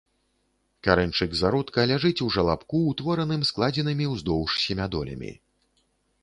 Карэньчык зародка ляжыць у жалабку, утвораным складзенымі ўздоўж семядолямі.